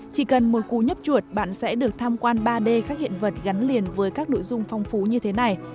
chỉ cần một cú nhấp chuột bạn sẽ được tham quan ba d các hiện vật gắn liền với các nội dung phong phú như thế này